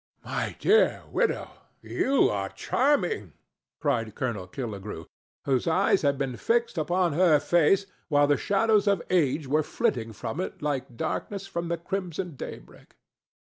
"My dear widow, you are charming!" cried Colonel Killigrew, whose eyes had been fixed upon her face while the shadows of age were flitting from it like darkness from the crimson daybreak.